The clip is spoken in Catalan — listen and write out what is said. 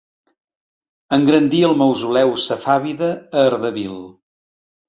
Engrandí el mausoleu safàvida a Ardabil.